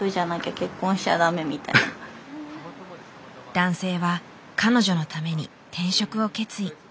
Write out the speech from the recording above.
男性は彼女のために転職を決意。